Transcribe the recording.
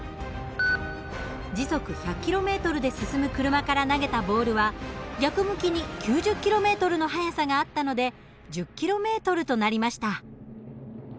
時速１００ｋｍで進む車から投げたボールは逆向きに９０ｋｍの速さがあったので１０ｋｍとなりました。